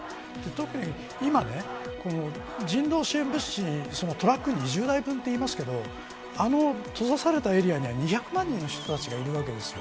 特に今人道支援物資、トラック２０台分と言いますけど閉ざされたエリアには２００万人の人たちがいるわけです。